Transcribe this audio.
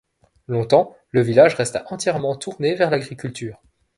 Longtemps le village resta entièrement tourné vers l'agriculture.